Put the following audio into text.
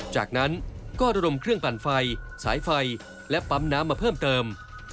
จากนั้นก็ระดมเครื่องปั่นไฟสายไฟและปั๊มน้ำมาเพิ่มเติม